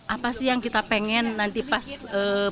apa sih yang kita pengen nanti pas